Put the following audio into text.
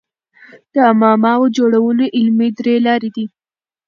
د معماوو جوړولو علمي درې لاري دي.